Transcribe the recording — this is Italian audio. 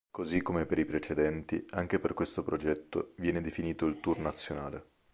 Così come per i precedenti, anche per questo progetto viene definito il tour nazionale.